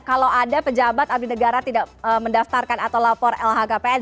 kalau ada pejabat abdi negara tidak mendaftarkan atau lapor lhkpn